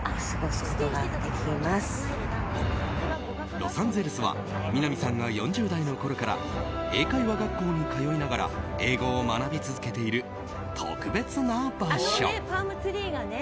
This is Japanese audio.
ロサンゼルスは南さんが４０代のころから英会話学校に通いながら英語を学び続けている特別な場所。